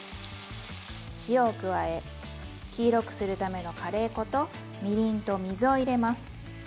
塩を加え黄色くするためのカレー粉とみりんと水を入れます。